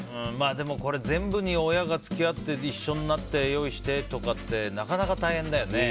でもこれ全部に親が付き合って一緒になって用意してとかってなかなか大変だよね。